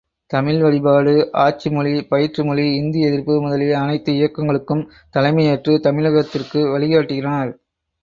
தமிழ் வழிபாடு, ஆட்சி மொழி, பயிற்றுமொழி, இந்திஎதிர்ப்பு முதலிய அனைத்து இயக்கங்களுக்கும் தலைமையேற்று தமிழகத்திற்கு வழிகாட்டினார்.